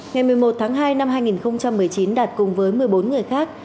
ngày một mươi một tháng hai năm hai nghìn một mươi chín đạt cùng với một mươi bốn người khác